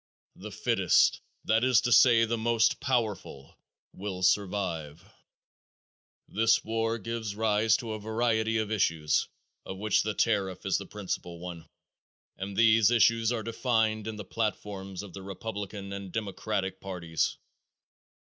The fittest, that is to say the most powerful, will survive. This war gives rise to a variety of issues of which the tariff is the principal one, and these issues are defined in the platforms of the Republican and Democratic parties.